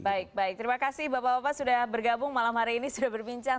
baik baik terima kasih bapak bapak sudah bergabung malam hari ini sudah berbincang